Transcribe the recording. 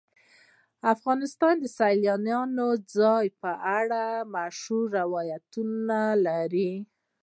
افغانستان د سیلاني ځایونو په اړه مشهور روایتونه لري.